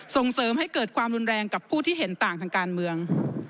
ส่งเสริมให้เกิดความรุนแรงกับผู้ที่เห็นต่างทางการเมือง